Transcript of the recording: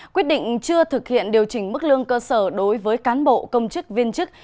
quyết định chưa thực hiện điều chỉnh mức lương cơ sở đối với cán bộ công chức viên chức